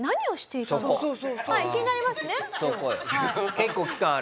結構期間あるよ。